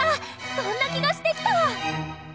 そんな気がしてきた！